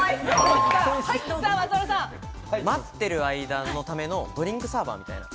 待ってる間のためのドリンクサーバーみたいな。